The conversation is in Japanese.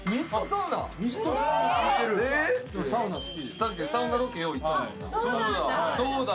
確かにサウナロケよう行くな。